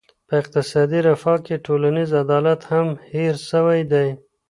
په اقتصادي رفاه کي ټولنیز عدالت هم هېر سوی دی.